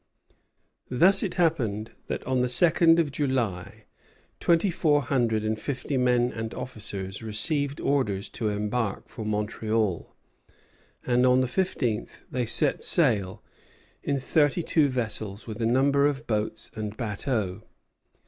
Thus it happened that on the second of July twenty four hundred and fifty men and officers received orders to embark for Montreal; and on the fifteenth they set sail, in thirty two vessels, with a number of boats and bateaux.